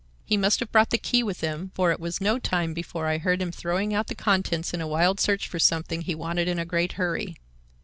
He must have brought the key with him, for it was no time before I heard him throwing out the contents in a wild search for something he wanted in a great hurry.